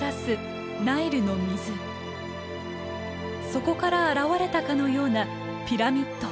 そこから現れたかのようなピラミッド。